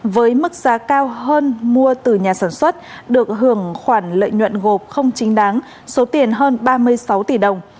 với mức giá cao hơn mua từ nhà sản xuất được hưởng khoản lợi nhuận gộp không chính đáng số tiền hơn ba mươi sáu tỷ đồng